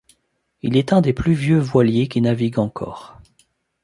Il est un des plus vieux voiliers qui navigue encore.